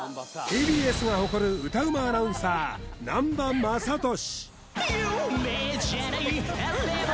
ＴＢＳが誇る歌うまアナウンサー南波雅俊